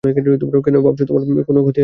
কেন ভাবছ তোমার কোনও ক্ষতি হবে?